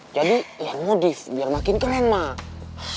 jadi yang modif biar makin keren mak